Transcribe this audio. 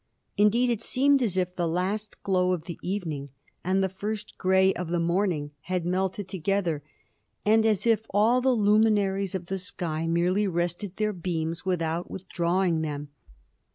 Indeed, it seemed as if the last glow of the evening and the first grey of the morning had melted together, and as if all the luminaries of the sky merely rested their beams without withdrawing them.